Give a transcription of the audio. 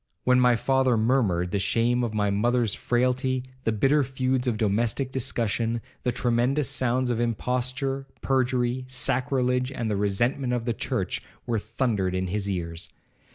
When my father murmured, the shame of my mother's frailty, the bitter feuds of domestic discussion, the tremendous sounds of imposture, perjury, sacrilege, and the resentment of the church, were thundered in his ears.